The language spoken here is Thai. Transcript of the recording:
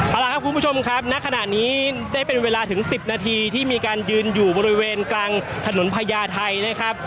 เอาล่ะครับคุณผู้ชมครับณขณะนี้ได้เป็นเวลาถึง๑๐นาทีที่มีการยืนอยู่บริเวณกลางถนนพญาไทยนะครับ